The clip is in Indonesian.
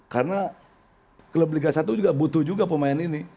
karena klub liga satu juga butuh juga pemain ini